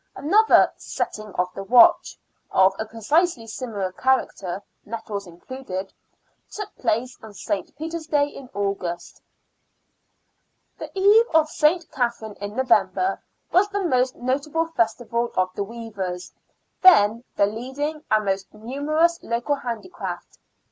Another " Setting of the Watch," of a precisely similar character (nettles included), took place on St. Peter's Day in August. The eve of St. Catherine, in November, was the most SHOOTING AND WRESTLING COMPETITIONS. 7 notable festival of the weavers, then the leading and most numerous local handicraft.